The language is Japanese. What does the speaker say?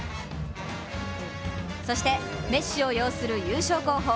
そして、メッシを擁する優勝候補